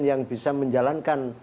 yang bisa menjalankan